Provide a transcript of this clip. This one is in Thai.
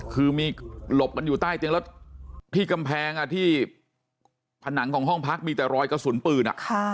คือมีหลบกันอยู่ใต้เตียงแล้วที่กำแพงที่ผนังของห้องพักมีแต่รอยกระสุนปืน